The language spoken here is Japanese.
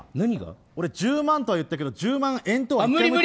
俺１０万とは言ったけど１０万円とは１回も言ってない。